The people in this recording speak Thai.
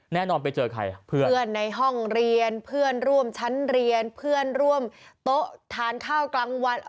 แน่นอนไปเจอใครเพื่อนในห้องเรียนเพื่อนร่วมชั้นเรียนเพื่อนร่วมโต๊ะทานข้าวกลางวัน